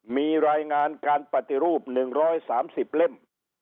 มีรายงานการปฏิรูป๑๓๐เล่ม